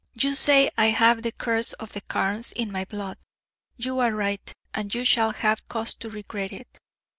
You say I have the curse of the Carnes in my blood! You are right, and you shall have cause to regret it.'